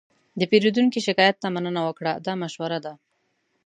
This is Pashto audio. د پیرودونکي شکایت ته مننه وکړه، دا مشوره ده.